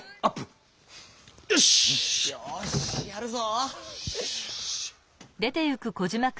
よしやるぞ！